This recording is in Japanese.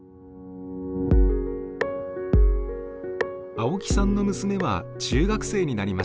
青木さんの娘は中学生になりました。